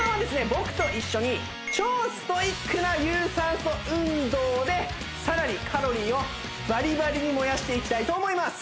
僕と一緒に超ストイックな有酸素運動でさらにカロリーをバリバリに燃やしていきたいと思います